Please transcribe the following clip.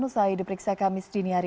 usai diperiksa kamis dinihari